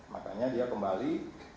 makanya dia kembali